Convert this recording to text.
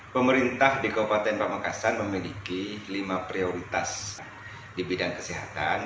pemerintah di kabupaten pamekasan memiliki lima prioritas di bidang kesehatan